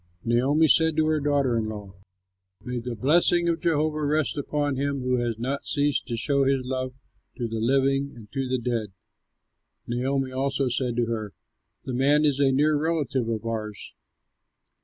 Naomi said to her daughter in law, "May the blessing of Jehovah rest upon him who has not ceased to show his love to the living and to the dead." Naomi also said to her, "The man is a near relative of ours."